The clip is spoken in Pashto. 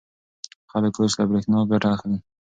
خلک اوس له برېښنا ګټه اخلي.